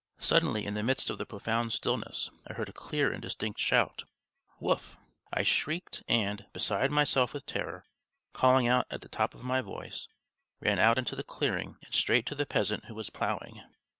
Suddenly in the midst of the profound stillness I heard a clear and distinct shout, "Wolf!" I shrieked and, beside myself with terror, calling out at the top of my voice, ran out into the clearing and straight to the peasant who was ploughing.